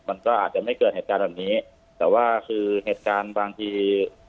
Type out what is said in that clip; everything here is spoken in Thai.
มันก็อาจจะไม่เกิดเหตุการณ์แบบนี้แต่ว่าคือเหตุการณ์บางที